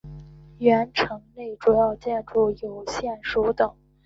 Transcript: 原城内主要建筑有县署等。